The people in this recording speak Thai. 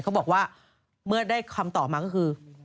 เขาบอกว่าเมื่อได้คำตอบมาก็คือ